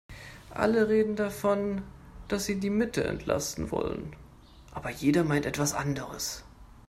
Alle reden davon, dass sie die Mitte entlasten wollen, aber jeder meint etwas anderes.